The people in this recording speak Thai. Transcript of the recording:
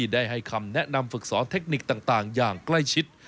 ได้ให้คำแนะนำฝึกสอนเทคนิคต่างอย่างใกล้ชิด